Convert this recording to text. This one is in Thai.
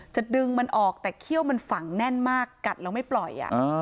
จะดึงมันออกแต่เขี้ยวมันฝังแน่นมากกัดแล้วไม่ปล่อย